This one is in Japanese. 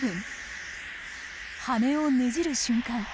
羽をねじる瞬間